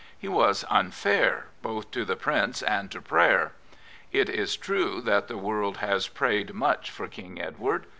He was unfair both to the Prince and to prayer. It is true that the world has prayed much for King Edward.